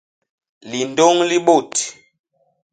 Lindôñ li bôt.